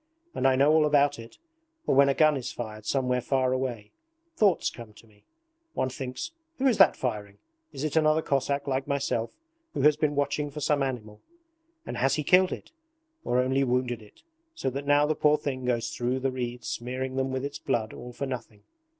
And I know all about it! Or when a gun is fired somewhere far away, thoughts come to me. One thinks, who is that firing? Is it another Cossack like myself who has been watching for some animal? And has he killed it? Or only wounded it so that now the poor thing goes through the reeds smearing them with its blood all for nothing?